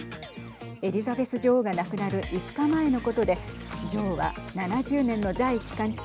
エリザベス女王が亡くなる５日前のことで女王は７０年の在位期間中